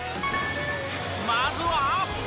まずは。